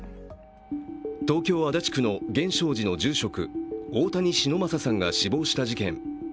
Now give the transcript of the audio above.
東京・足立区の源証寺の住職大谷忍昌さんが死亡した事件。